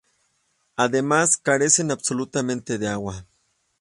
Además, carecen absolutamente de agua.